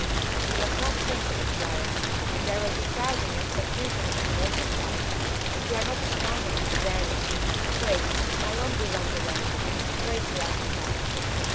"You must not think of it, Clara. There will be crowding and confusion at the water side. You are not strong enough to bear it. Wait I won't be long away wait till I come back."